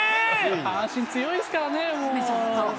阪神強いですからね。